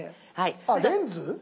あっレンズ？